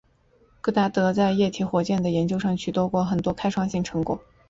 戈达德在液体火箭的研究上取得过很多开创性成果。